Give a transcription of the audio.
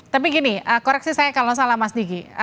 tapi gini koreksi saya kalau salah mas digi